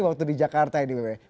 waktu di jakarta ini